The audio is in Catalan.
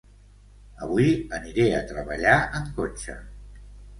Avui aniré a treballar en cotxe